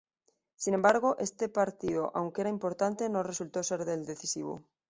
Sin embargo, este partido aunque era importante, no resultó ser el decisivo.